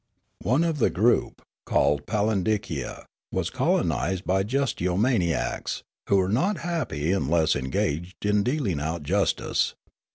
One of the group, called Pal indicia, was colonised by justitiomaniacs, who were not happy unless engaged in dealing out justice.